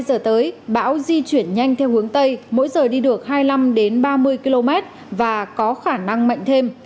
giờ tới bão di chuyển nhanh theo hướng tây mỗi giờ đi được hai mươi năm ba mươi km và có khả năng mạnh thêm